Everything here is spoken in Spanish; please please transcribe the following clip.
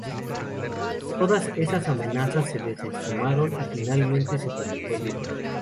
Todas estas amenazas se desestimaron y finalmente se publicó el libro.